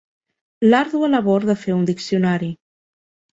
L'àrdua labor de fer un diccionari.